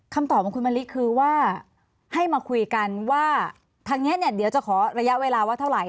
คำตอบของคุณมะลิคือว่าให้มาคุยกันว่าทางนี้เนี่ยเดี๋ยวจะขอระยะเวลาว่าเท่าไหร